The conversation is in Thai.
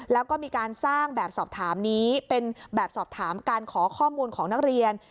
แล้วก็มีการสร้างแบบสอบถามนี้เป็นแบบสอบถามการขอข้อมูลของนักเรียน